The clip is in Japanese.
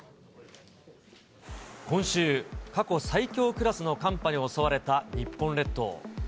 今週、過去最強クラスの寒波に襲われた日本列島。